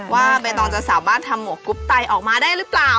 ใบตองจะสามารถทำหมวกกรุ๊ปไตออกมาได้หรือเปล่า